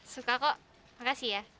suka kok makasih ya